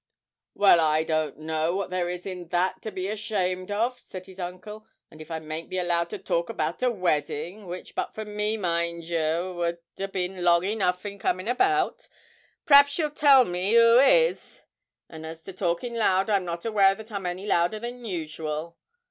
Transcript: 'Well, I don't know what there is in that to be ashamed of,' said his uncle; 'and if I mayn't be allowed to talk about a wedding which but for me, mind yer, would a' been long enough in coming about p'raps you'll tell me who is; and, as to talking loud, I'm not aware that I'm any louder than usual.